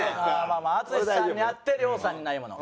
まあ淳さんにあって亮さんにないもの？